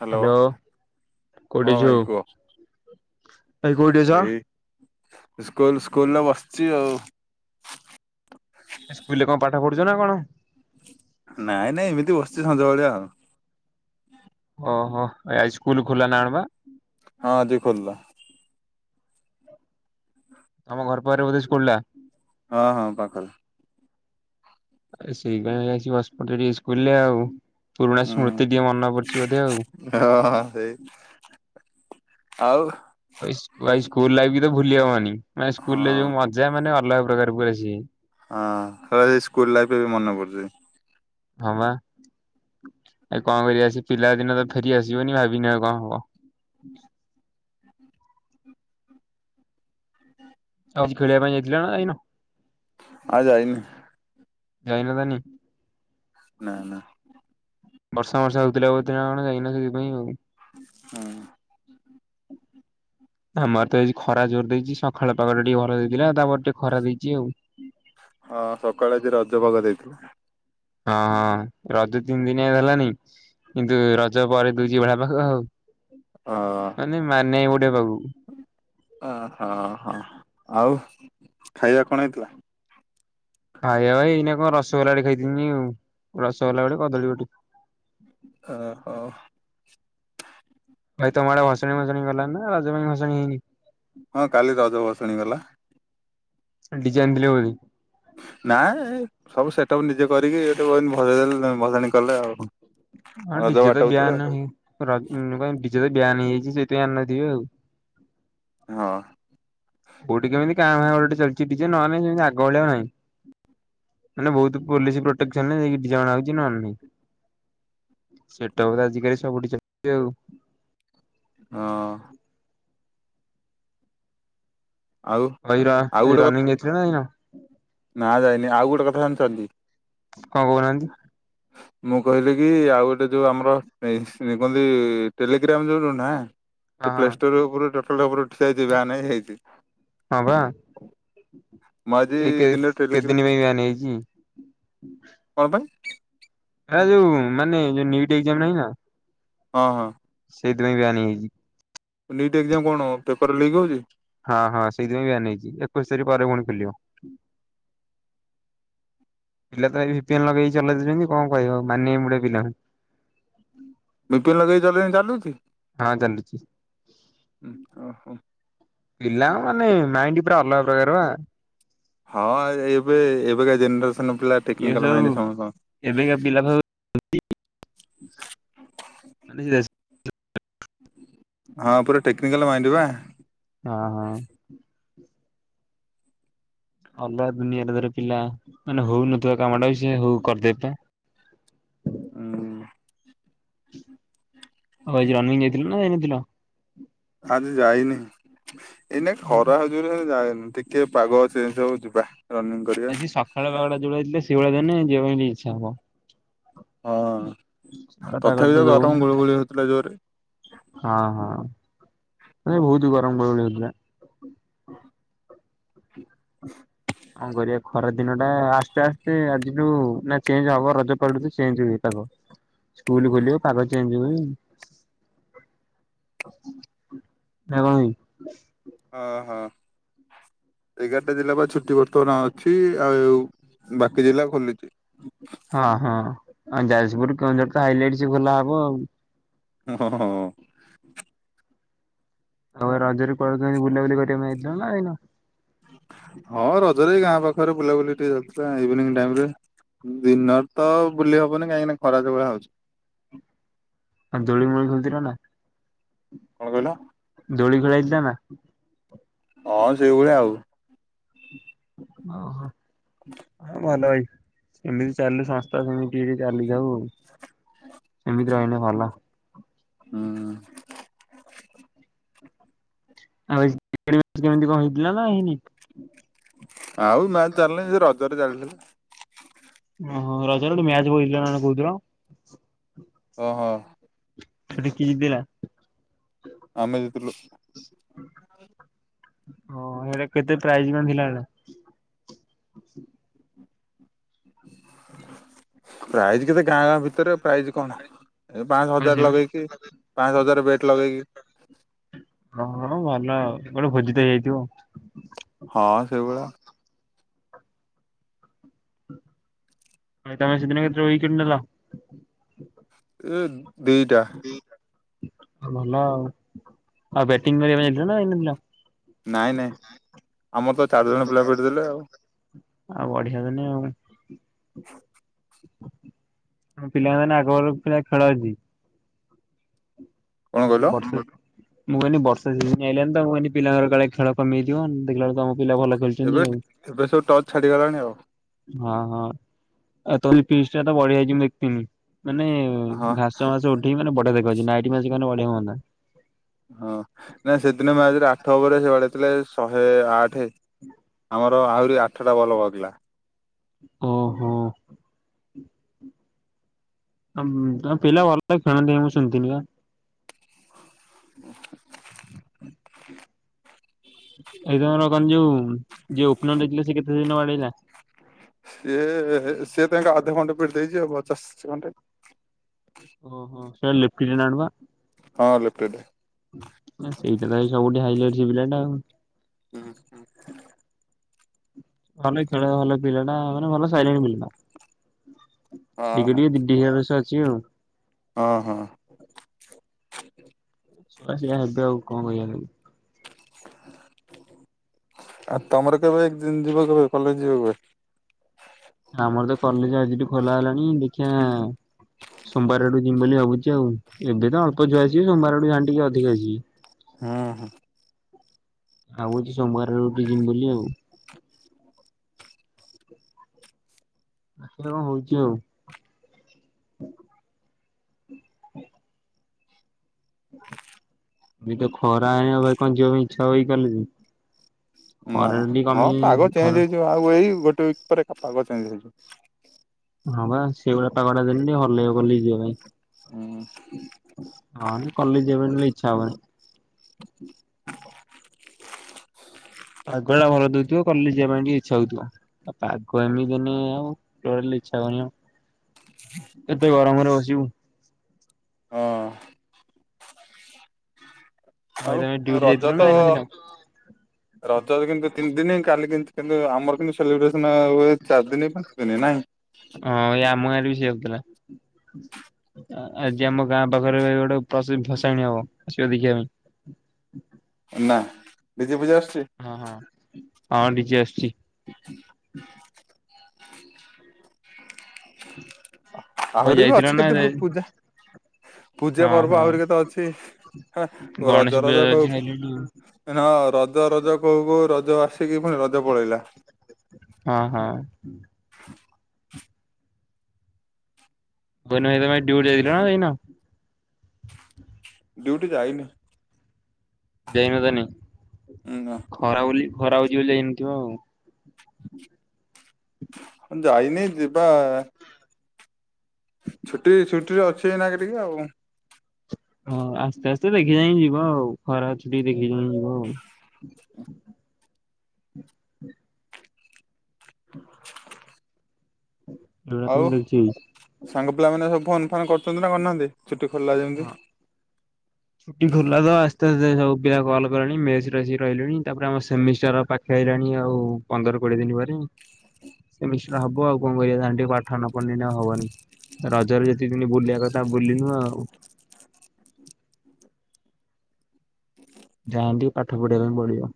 Hello hello [inaudible] କୋଉଠି ହଁ ଭାଇ କୁହ। [inaudible] ଅଛୁ? ଏଇ ସ୍କୁଲ ସ୍କୁଲରେ ବସିଚି ଆଉ ଇ ସ୍କୁଲ ରେ କଣ ପାଠ ପଢୁଚ ନା କଣ? ନାଇ ନାଇ ଏମିତି ବସିଚି ସଞ୍ଜବେଳିଆ ଆଉ। ଓହୋ ଆ ଇ ସ୍କୁଲ ଖୋଲା ନା କଣବା? ହଁ। ଆଜି ଖୋଲା। ତମ ଘର ପାଖରେ ବୋଧେ ସ୍କୁଲ ଟା? ହଁ ହଁ ପାଖରେ। ଆରେ ସେଇ ପାଇଁ ଆସିକି ବସିପଡ଼ିଚ ଟିକେ ଇସ୍କୁଲରେ ଆଉ। ପୁରୁଣା ହୁଁ। ସ୍ମୃତି ଟିକେ ମନେ ପଡିଚି ବୋଧେ ଆଉ। ହଁ ହାଁ ସେଇ [inaudible] ଆଉ ଇ ସ୍ କୁ ସ୍କୁଲ ଲାଇଫ କି ତ ଭୁଲି ହବନି। ମାନେ ସ୍କୁଲ ରେ ହଁ ଯୋଉ ମଜା ମାନେ ଅଲଗା ପ୍ରକାର ପୁରା ସିଏ। ହଁ। ହେଇ ସ୍କୁଲ ଲାଇଫରେ ବି ମନେ ପଡୁଚି। ହଁବା [inaudible] ଏ କଣ କରିବା। ସେ ପିଲା ଦିନ ତ ଫେରି ଆସିବନି ଭାବିନି ଆଉ କଣ ହବ। ଆଉ ଖେଳିବା ପାଇଁ ଯାଇଥିଲ ନା ଯାଇନ? ଆଉ ଯାଇନି। ଯାଇନ ତାନି ନାଇ ନାଇ ବର୍ଷା ଫର୍ଷା ହଉଥିଲା ବୋଧେ ନା କଣ? ଯାଇନ ସେଥିପାଇଁ ଆଉ [inaudible] ଆମର ତ ଏଜି ଖରା ଜୋର ଦେଇଛି। ସଖାଳ ପାଗଟା ଟିକେ ଭଲ ଦେଇଥିଲା। ତାପରେ ଟିକେ ଖରା ଦେଇଛି ଆଉ ହଁ ସକାଳେ ଆଜି ରଜ ଭୋଗ ଦେଇଥିଲୁ। ହଁ ହଁ ରଜ ତିନି ଦିନିଆ ହେଲାଣି। କିନ୍ତୁ ରଜ ପରେ ଦଉଛି ବଢିଆ ପାଗ ଆଉ। [inaudible] ମାନେ ମାନିବାକୁ ପଡିବ ତାକୁ। [inaudible] ଅ ହଁ ହଁ ଆଉ ଖାଇବା କଣ ହେଇଥିଲା? ଖାଇବା ଭାଇ ଏଇନା କଣ ରସଗୋଲା ଟେ ଖାଇଥିନି ଆଉ। ରସଗୋଲା ଗଟେ, କଦଳୀ ଗୋଟେ। ଓହୋ ଭାଇ ତମ ଆଡେ ଘସାଣି ଭସଣି ଗଲା ନା ରଜ ପାଇଁ ଭସଣି ହେଇନି? ହଁ କାଲି ରଜ ଭସାଣି ଗଲା। [unintelligible] ନାଇଁ ସବୁ ସେଟପ୍ ନିଜେ କରିକି ଏଇଠୁ ଭଜେଇ ଦେଲେ ଭଜାଣି କଲେ ଆଉ। ହଁ ରଜ ଡିଜେ ତ ବାଟଉଥିଲେ। ବୟାନ କ ଡିଜେ ତ ବୟାନ ହେଇଯାଇଛି ସେଇଥିପାଇଁ ଆଣିିନଥିବେ ଆଉ। ହଁ। କଉଠିକ କେମତି କାହା [unintelligible] ନାଇଁ ସେମତି ଆଗ ଭଳିଆ ନାଇଁ। ମାନେ ବହୁତ ପୋଲିସ ପ୍ରୋଟେକ୍ସନ ରେ ଡିଜେ ଅଣା ହଉଛି ନହେଲ ନାହିଁ। ସେଟା ତ ଆଜିକାଲି ସବୁଠି ଚାଲିଛି ଆଉ। ହଁ। ଆଉ ଆଉ ଗୋଟେ [unintelligible] କଥା ରନିଂ ହେଥିଲ ନା ଯାଇନ। ନା ଯାଇନି ଆଉ ଗୋଟେ କଥା ଶାଣିଛନ୍ତି? କଣ କହୁନାହାନ୍ତି। ମୁଁ କହିଲି କି ଆଉ ଗୋଟେ ଯୋଉ ଆମର କୁହନ୍ତି ଟେଲିଗ୍ରାମ ଯୋଉଠୁ ନାଁ ସେ ହଁ ପ୍ଲେ ହଁ ଷ୍ଟୋର ଉପରୁ ଟୋଟାଲ ଉପ ଠି ହେଇଛି ବ୍ୟାନ ହେଇଛି ହଁ ବା ମୁଁ ଆଜି ଏ କେ ଦିନରେ କେତେ ଟେଲିଗ୍ରାମ ଦିନ ପାଇଁ ବ୍ୟନ ହେଇଛି। କଣ ପାଇଁ? ଏ ଯୋଉ ମାନେ ଯୋଉ ନୀଟ ଏକ୍ଜାମ ନାହିଁ ନା ହଁ ହଁ। ସେଇଥିପାଇଁ ବ୍ୟନ ହେଇଯାଇଛି। ନିଟ୍ ଏକ୍ଜାମ କଣ ପେପର ଲିକ୍ ହଉଛି? ହଁ ହଁ ସେଇଥିପାଇଁ ବ୍ୟାନ ହେଇଚି ଏକୋଇଶ ତାରିଖ ପରେ ପଣି ଖୋଲିବ। ପିଲା ତ ଏ ଭିନ ଲଗେଇି ଚଲେଇଛନ୍ତି କଣ କହିବ ମାନେମ ଗୁଟେ ପିଲା ବିପିନ୍ ଲଗେଇ ଜଲେଇଲେ ଚାଲୁଛି। ହଁ ଚାଲୁଛି। ଓହୋ ପିଲା ମାନେ ମାଇଣ୍ଡ ପୁରା ଅଲଗା ପ୍ରକାର ବା। ହଁ ଏବେ ଏବେକା ଜେନେରେସନ ପିଲା ଇଏ ଟେକ୍ନିକାଲ ମାଇଣ୍ଡ ସବୁ ସମସ୍ତଙ୍କ ଏବେକା ପିଲା ଭୁ ହଁ ପୁରା ଟେକ୍ନିକାଲ ମାଇଣ୍ଡ ବା ହଁ ହଁ। ଅଲଗା ଦୁନିଆରେ ଧର ପିଲା ମାନେ ହଉନଥିବା କାମ ଟା ବି ସେ ହଉ କରିଦେଇ ପା। ହଁ। ରନିଙ୍ଗ ଯାଇଥିଲ ନା ଜାଇନଥିଲ। ଆଜି ଯାଇନି ଏଇନା ହଁ ଖରା ହଜରି ଯାନିିକ ଟିକେ ପାଗ ସେ ସବୁ ଯିବା ରନିଙ୍ଗ ଆଜି ସକାଳେ କଗଡ ଯୋଡ ଯଥିଲେ ସେଇଭଳିଆ ଜଲେ ଯିବା ପାଇଁ ଇଚ୍ଛା ହବ। ହଁ ଖରା ପାଗ ତ ତଥାପି ଯ ଦଉନି ଗରମ ଗୁଳୁଗୁଳି ହେଉଥିଲା ଜୋରରେ। ହଁ ହଁ ମାନେ ବହୁତ ଗରମ ଗୁଳୁଗୁଳି ହଉଥିଲା। ହଁ କରିବା ଖରା ଦିନ ଟା ଆସ୍ତେ ଆସ୍ତେ ଆଜିଠୁ ନା ଚେଞ୍ଜ ହବ ରଜପାଲି ଚେଞ୍ଜ ହୁଏ ପାଗ। ସ୍କୁଲ ଖୋଲିବ ପାଗ ଚେଞ୍ଜ ହ [inaudible] ନା କ ହଁ ହଁ ଏଗାରଟା ଜିଲ୍ଲା ବା ଛୁଟି ବର୍ତ୍ତମାନ ଅଛି ଆଉ ବାକି ଜିଲ୍ଲା ଖୋଲିଛି। ହଁ ହଁ ଆ ଯାଜପୁର କେଉଁଝର ତ ହାଇଲାଇଟସି ଖୋଲା ହବ ଆଉ। ହଁ ହଁ। ଆଉ ଏ ରଜରେ କୁଆଡେ଼ କେମିତି ବୁଲାବୁଲି କରିବା ପାଇଁ ଯାଇ ଥିଲ ନା ଯାଇନ। ହଁ ରଜରେ ଏଇ ଗାଁ ପାଖରେ ବୁଲାବୁଲି ଟିକେ ଚାଲିଥିଲା ଇଭିନିଂ ଟାଇମି ରେ। ଦିନରେ ତ ବୁଲି ହବନି କାହିଁକିନା ଖରା ଜଉ ଭଳିଆ ହଉଛି। ଆଉ ଦୋଳି ମଳି ଖେଳିଥିଲ ନା? କଣ କହିଲ? ଦୋଳି ଖେଳା ହେଇଥିଲା ନା? ହଁ ସେଇଭଳିଆ ଆଉ। ଓହୋ। ହଁ ଭଲ ଭାଇ ସେମିତି ଚାଲୁ ସଂସ୍ଥା ସେମିତି ଚାଲି ଥାଉ। ସେମିତି ରହିନେ ଭଲ। ହୁଁ। [unintelligible] କେମିତି କଣ ହେଇଥିଲା ନା ହେଇନି। ଆଉ ମ୍ୟାଚ ଚାଲିନି ସେ ରଜରେ ଚାଲିଥିଲା। ଓହୋ ରଜ ରେ ଗୋଟେ ମ୍ୟାଚ୍ ପକେଇଥିଲ ନା କଣ କହୁଥିଲ। ଓହ। ସେଟି କି ଥିଲା? ଆମେ ଜିତିଲୁ। ହଁ ସେଟା କେତେ ପ୍ରାଇଜି କଣ ଥିଲା ଟା। ପ୍ରାଇଜି କେତେ ଗାଁ ଗାଁ ଭିତରେ। ପ୍ରାଇଜି କଣ? ଏ ପାଆସ ହଜାର ଲଗେଇକି ପାଆସ ହଜାର ବେଟ୍ ଲଗେଇକି। ହଁ ଭଲ ଆଉ ଗୋଟେ ଭୋଜି ଟେ ହେଇଯାଇଥିବ ଆଉ। ହଁ ସେଇଭଳିଆ। ଭାଇ ତମେ ସେଦିନ କେତଟା ଉଇକେଟ ନେଲ। ଏ ଦିଇଟା। ଦି। ଭଲ ଆଉ ଆଉ ବେଟିଂ କରିବାକୁ ଯାଇଥିଲ ନା ଯାଇନଥିଲ? ନାଇଁ ନାଇଁ ଆମର ତ ଚାରିଜଣ ପିଲା ପିଟି ଦେଲେ ଆଉ। ଆଉ ବଢିଆ ତାହେନେ ଆଉ। ମୋ ପିଲାମାନେ ଆଗଭଳି ପିଲା ଖେଳ ଅଛି! କଣ କହିଲ [unintelligible] ମୁଁ କହିଲି ବର୍ଷା ଯିମିତି ଆଇଲାଣି ତ ମୁ କହିଲି ପିଲାଙ୍କ କାଳେ ଖେଳ କମିଯିବ। ଦେଖିଲା ବେଳକୁ ତ ଆମ ପିଲା ଭଲ ଖେଳୁଛନ୍ତି ଏବେ ଆଉ। ଏବେ ସବୁ ଟଚ ଛାଡିଗଲାଣି ଆଉ। ହଁ ହଁ ଆଉ ତମ ପିଚ୍ ଟା ତ ବଢିଆ ହେଇଛିତ ମୁଁ ଦେଖିଥିନି। ମାନେ ହଁ ଘାସ ମାସ ଉଠିକି ମାନେ ବଢିଆ ଦେଖାହଉଛି। ନାଇଟି ମ୍ୟାଚ୍ କନେ ବଢିଆ ହୁଅନ୍ତା। ହଁ। ନା ସେଦିନ ମ୍ୟାଚରେ ଆଠ ଓଭରେ ସେ ବାଡେଇଥିଲେ ଶହେ ଆଠେ। ଆମର ତ ଆହୁରି ଆଠଟା ବଲ ବହକିଲା। କୋହୋ। ତମ୍ ପିଲା ଭଲ ଖେଣନ୍ତି ମୁଁ ଶୁଣିିଥିନି ବା। [inaudible] ଏଇ ତମର କନ୍ ଯୋଉ ଯେ ଓକିନ ଦେଖିଲେ ସେ କେତେ ଦିନ ବାଡେଇଲା। ସିଏ ସିଏ ତାଙ୍କ ଧଘଣ୍ଟେ ପିଟି ଦେଇଛି ଆଉ ପଚାଶ ଘଣ୍ଟେ। ଓ ହୋ ସେ ଲିପ୍ନିଡି ବା। ହଁ ଲିପିଡି। ଆ ସେଇଥିପାଇଁ ସବୁ ଅଡେଇ ହିଲାଇଟ୍ ସେ ପିଲା ଟା ଆଉ। ହୁଁ ହୁଁ। ଭଲ ଖେଳେ ଭଲ ପିଲାଟା ମାନେ ଭଲ ସାଇଲେଣ୍ଟ ପିଲାଟା ହଁ ଟିକେ ହଁ ଟିକେ ଟିଙ୍ଗା ଦୋଷ ଅଛି ଆଉ। ହଁ ହଁ। ଛୁଆ ସେଇଆ ହେବେ ଆଉ କଣ କହିବା ତାଙ୍କୁ। ଆ ତମର କେବେ ଏକ ଦିନ ଯିବ କେିବ କଲେଜ ଯିବ କେିବ? ଆମର ତ କଲେଜ ଆଜିଠୁ ଖୋଲା ହେଲାଣି ଦେଖିିବା ସୋମବାର ଆଡୁ ଯିମି ବୋଲି ଭାବୁଛି ଆଉ। ଏବେ ତ ଅଳପ ଛୁଆ ସିବ ସମବାର ଠୁ ଟିକେ ଅଧିକ ଆସିବେ। ହୁଁ ହୁଁ। ଆଉ ଅଛି ସୋମବାର ର ଉଠି ଯିବମ ବୋଲି ଆଉ। [unintelligible] ହଉଛି ଆଉ। ହଁ ଏ ତ ଖରା ହେଇ ଭାଇ କଣ ଯିବା ପାଇଁ ଇଚ୍ଛା ହେବ କଲେଜ। ନା ଖରା ଟା ଟିକେ ହଁ କମି ପାଗ ଚେଞ୍ଜ ଖରା ହେଇଯିବ ଆଉ ଏଇ ଗୋଟେ ୱିକ ପରେ ଏକ ପାଗ ଚେଞ୍ଜ ହେଇଯିବ। ହଁ ବା ସେଇ ଭଲିଆ ପାଗ ଟା ଦେଲେ ହି ଟିକେ ଭଲ ଲାଗିବ ବୁଲି ଯିବା ପାଇଁ। ହୁଁ। ହଁ କଲେଜ ଯବା ପାଇଁ ନହେଲେ ଇଚ୍ଛା ହବନି। ପାଗ ଟା ଭଲ ଦଉଥିବ। କଲେଜ ଯିବା ପାଇଁ ଟିକେ ଇଚ୍ଛା ହଉଥିବ ଆଉ ପାଗ ଏମିତି ଯନି ଆଉ ଟୋଟାଲି ଇଚ୍ଛା ହେବନି ଆଉ। କେତେ ଗରମ ରେ ବସିବୁ। ହଁ। ଭାଇ ଆଉ ତମେ ଡ୍ୟୁଟି ଯାଇଥିଲ ରଜ ନା ତ ଯାଇନଥିଲ? ରଜ କିନ୍ତୁ ତିନି ଦିନ ହଁ କାଲି କିନ୍ତୁ ଆମର କିନ୍ତୁ ସେଲିବ୍ରେସନ ହୁଏ ଚାରି ଦିନ ହ ପାଞ୍ଚ ଦିନ ନାଇଁ? ହଁ ଏଇ ଆମ ଗାଁରେ ବି ସେଇୟା ହଉଥିଲା। ଆଜି ଆମ ଗାଁ ପାଖରେ ଗୋଟେ [unintelligible] ଭସାଣ ହବ ଆସିବା ଦେଖିବା ପାଇଁ। ନା ଦିଦି ପୂଜା ଆସୁଛି? ହଁ ହଁ ହଁ ଡିଜେ ଆସିଛି। ହଁ ଆହୁ ରି ବି ଅଛି କେତେ ପ୍ରକାର ପୂଜା। ପୂଜା ହଁ ପର୍ବ ହଁ ଆହୁରି କେତେ ଅଛି ଗଣେଶ ରଜ ପୂଜା ରଜ ଯାଉଛି କହୁ ସାଇଲଣ୍ଟ ଆଉ ନା ରଜ ରଜ କହୁ କହୁ ରଜ ଆସିକି ପୁଣି ରଜ ପଳେଇଲା। ହଁ ହଁ। ମୁ କହିଲି ଭାଇ ତମେ ଡ୍ୟୁଟି ଯାଇଥିଲ ନା ଜାଇନା। ଡୁଟି ଯାଇନି। ଯାଇନ ତା ନି ନାଇ ନା ଖରା ହେଉଛି ବୋଲି ଖରା ହଉଛି ବୋଲି ଯାଇନଥିବ ଆଉ। ମୁଁ ଯାଇନି ଯିବା ଛୁଟି ଛୁଟି ରେ ଅଛି ଏଇନା ଟିକେ ଆଉ। ହଁ ଆସ୍ତେ ଆସ୍ତେ ଦେଖି ଯାଇଁ ଯିବ ଆଉ ଖରା ଅଛି ଟିକେ ଦେଖି ଯାଇ ହ ଏଇଟା ତ ମୁଁ ଆଉ ଦେଖି ସାଙ୍ଗ ପିଲା ମାନେ ସବୁ ଫୋନ୍ ଫାନ୍ କରୁଛନ୍ତି ନା କରୁନାହାନ୍ତି ଛୁଟି ଖୋଲିଲା ହଁ ଯେମିତି? ଛୁଟି ଖୋଲିଲା ତ ଆସ୍ତେ ଆସ୍ତେ ସୁ ପିଲା କଲ୍ କଲେଣି ମେସିକି ରହିଲୁଣି ତାପରେ ଆମ ସେମିଷ୍ଟାର ପାଖ ଖାଇଲାଣି ଆଉ ପନ୍ଦର କୋଡିଏ ଦିନ ପରେ। ସେମିଷ୍ଟାର ହବ ଆଉ କଣ କରିବା ଏନା ଟିକେ ପାଠ ନା ପଢିଲେ ଏଇନା ଆଉ ହବନି। ରଜରେ ଯେତିକ ଦିନି ବୁଲିବା କଥା ବୁଲିନୁ ଆଉ। ଯାଆନ୍ତି ପାଠ ପଢ଼ିବା ପାଇଁ ପଡିବ।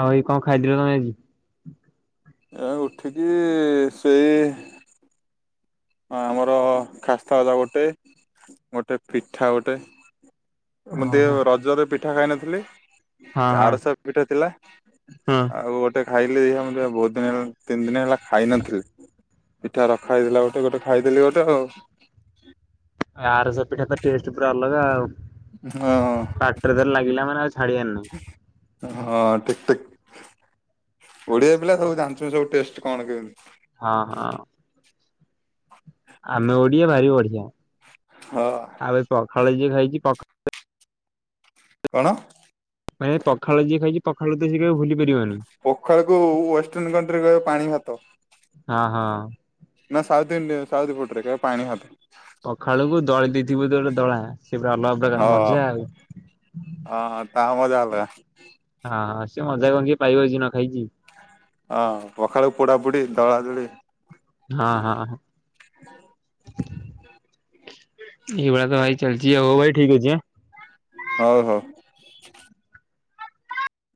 ଆଉ ଭାଇ କଣ ଖାଇଥିଲ ତମେ ଆଜି? ଏ ଉଠିକି ସେଇ ଆମର ଖାସ୍ତା ଗଜା ଗୋଟେ ଗୋଟେ ପିଠା ଗୋଟେ। ଓହୋ। [unintelligible] ରଜରେ ପିଠା ଖାଇନଥିଲି। ହଁ ହଁ ଆରଶା ପିଠା ଥିଲା ହଁ। ଆଉ ଗେ ଖାଇଲି ଦେ ବହୁତ୍ ଦିନ ହେଲା ତିନି ଦିନ ହେଲା ଖାଇନଥିଲି, ପିଠା ରଖା ହେଇଥିଲା ଗୋଟେ ଗୋଟେ-ଗୋଟେ ଖାଇଦେଲି ଗୋଟେ ଆଉ। ଆରସା ପିଠା ତା ଟେଷ୍ଟ ପୁରା ଅଲଗା ଆଉ। ହଁ। ପାଟିରେ ଥରେ ଲାଗିଲା ମାନେ ଆଉ ଛାଡିିବାର ନାହିଁ। ହଁ ଠିକ୍-ଠିକ୍, ଓଡିଆ ପିଲା ସବୁ ଜାଣିଛନ୍ତି ସବୁ ଟେଷ୍ଟ। କଣ କେମିତି। ହଁ-ହଁ। ଆମେ ଓଡିଆ ଭାରି ବଢ଼ିଆ। ହଁ। ଆଉ ଏ ପଖାଳ ଯିଏ ଖାଇଛି ପଖ କଣ? ମାନେ ପଖାଳ ଯିଏ ଖାଇଛି ପଖାଳତ ସେ କେବେ ଭୁଲି ପାରିବନି। ପଖାଳକୁ ୱଷ୍ଟର୍ଣ କଣ୍ଟ୍ରି କହିବେ ପାଣି ଭାତ। ହଁ-ହଁ। ନା ସାଉଥ ଇଣ୍ଡିଆ ସାଉଥ ପଟରେ କହିବେ ପାଣି ହାତ। ପଖାଳୁକୁ ଦଳି ଦେଇଥିବୁ ତ ଗୋଟେ ଦଳା ସେପୁରା ଅଲଗା ପ୍ରକାର ମଜା ଆଉ। ହଁ-ହଁ ତା ମଜା ଅଲଗା। ହଁଁ ସିଏ ମଜା କଣ କିଏ ପାଇବ ଯିଏ ନ ଖାଇଛି। ହଁ, ପଖାଳକୁ ପୋଡ଼ା ପୁଡ଼ି ଦଳା ଦୋଳି। ହଁ-ହଁ। ଏଇ ଭଳିଆ ତ ଭାଇ ଚାଲଛି ହଉ ଭାଇ ଠିକ୍ ଅଛି। ହଉ-ହଉ।